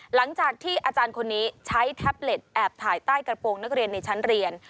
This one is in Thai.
หลังจากที่อาจารย์คนนี้ใช้แท็บเล็ตแอบถ่ายใต้กระโปรงนักเรียนในชั้นเรียน